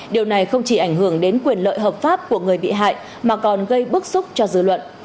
điều này không chỉ ảnh hưởng đến quyền lợi hợp pháp của người bị hại mà còn gây bức xúc cho dư luận